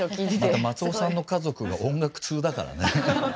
また松尾さんの家族が音楽通だからね。